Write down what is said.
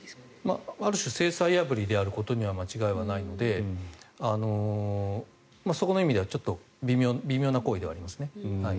ある種制裁破りであることには間違いはないのでそこの意味ではちょっと微妙な行為ではあります。